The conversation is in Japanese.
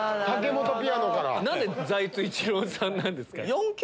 何で財津１郎さんなんですか？